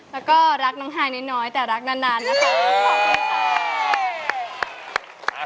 แล้วก็รักน้องไห้นิดน้อยแต่รักนานนะคะ